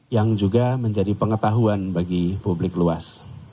yang juga menjadi pengetahuan bagi publik luas